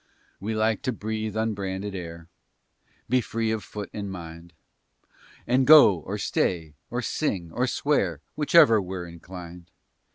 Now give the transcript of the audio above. We like to breathe unbranded air, Be free of foot and mind, And go or stay, or sing or swear, Whichever we're inclined.